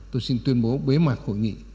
tôi xin tuyên bố bế mặt hội nghị